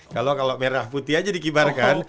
kalau merah putih aja dikibarkan